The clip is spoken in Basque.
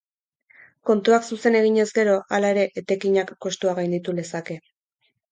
Kontuak zuzen eginez gero, hala ere, etekinak kostua gainditu lezake.